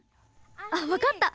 あわかった！